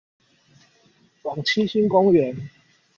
往七星公園